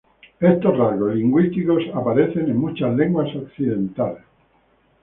Estos rasgos lingüísticos aparecen en muchas lenguas occidentales.